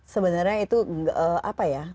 sebenarnya itu apa ya